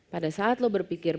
pada saat lo berpikir